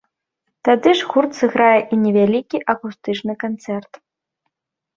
Тады ж гурт сыграе і невялікі акустычны канцэрт.